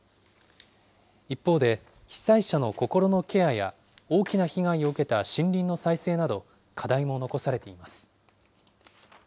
一方で、被災者の心のケアや、大きな被害を受けた森林の再生など、課題も残されています。